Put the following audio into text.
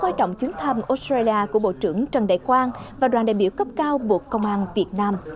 quan trọng chuyến thăm australia của bộ trưởng trần đại quang và đoàn đại biểu cấp cao bộ công an việt nam